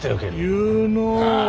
言うのう。